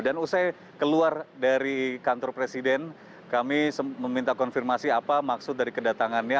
dan usai keluar dari kantor presiden kami meminta konfirmasi apa maksud dari kedatangannya